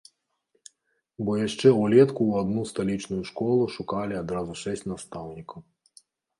Бо яшчэ ўлетку ў адну сталічную школу шукалі адразу шэсць настаўнікаў.